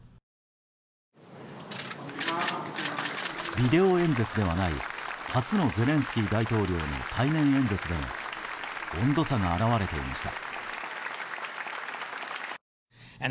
ビデオ演説ではない初のゼレンスキー大統領の対面演説でも温度差が表れていました。